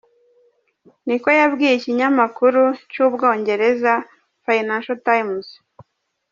" niko yabwiye ikinyamakuru c'Ubwongereza Financial Times.